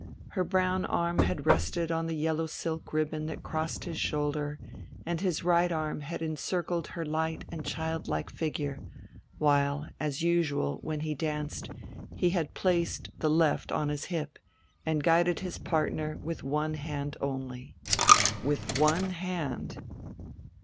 Her brown arm had rested on the yellow silk ribbon that crossed his shoulder, and his right arm had encircled her light and child like figure, while, as usual when he danced, he had placed the left on his hip and guided his partner with one hand only. With one hand!...